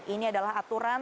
ini adalah aturan